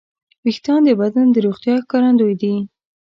وېښتيان د بدن د روغتیا ښکارندوی دي.